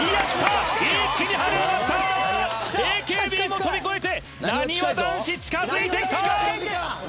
ＡＫＢも飛び越えてなにわ男子近づいてきたー！